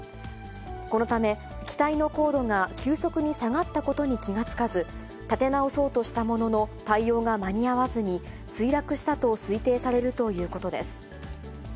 このため、機体の高度が急速に下がったことに気がつかず、立て直そうとしたものの、対応が間に合わずに墜落したと推定されるということです。